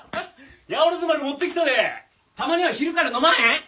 八百万丸持ってきたでたまには昼から飲まへん？